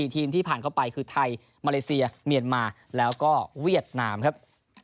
ทีมที่ผ่านเข้าไปคือไทยมาเลเซียเมียนมาแล้วก็เวียดนามครับ